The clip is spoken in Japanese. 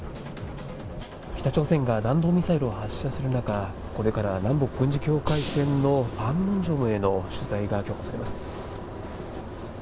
北朝鮮が弾道ミサイルを発射する中、これから南北軍事境界線のパンムンジョムへの取材が許可されます。